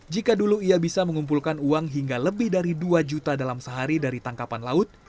jika dulu ia bisa mengumpulkan uang hingga lebih dari dua juta dalam sehari dari tangkapan laut